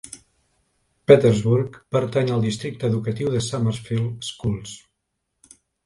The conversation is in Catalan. Petersburg pertany al districte educatiu de Summerfield Schools.